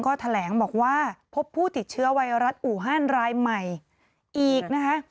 ก็แถลงบอกว่าพบผู้ติดเชื้อไวรัสอู่ฮันรายใหม่อีกนะคะ